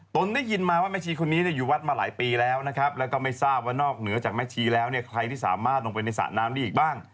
ตนได้ยินมาว่าแม่ชีคนนี้อยู่วัดมาหลายปีแล้วนะครับแล้วก็ไม่ทราบว่านอกเหนือจากแม่ชีแล้วเนี่ยใครที่สามารถลงไปในสระน้ำได้อีกบ้าง